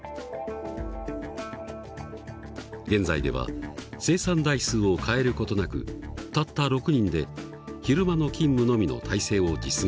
現在では生産台数を変える事なくたった６人で昼間の勤務のみの体制を実現している。